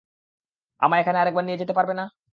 আমায় ওখানে আরেকবার নিয়ে যেতে পারবে না?